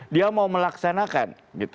dia mau melaksanakan